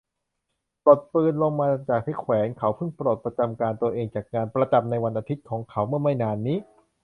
ปลดปืนลงมาจากที่แขวน เขาเพิ่งปลดประจำการตัวเองจากงานประจำในวันอาทิตย์ของเขาเมื่อไม่นานนี้